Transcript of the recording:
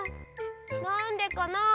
なんでかな？